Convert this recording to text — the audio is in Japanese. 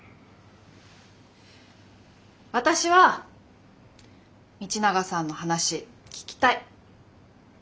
私は道永さんの話聞きたい。